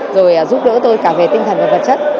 rồi giúp đỡ tôi cả về tinh thần và vật chất